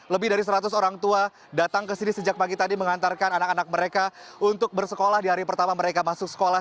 lebih dari seratus orang tua datang ke sini sejak pagi tadi mengantarkan anak anak mereka untuk bersekolah di hari pertama mereka masuk sekolah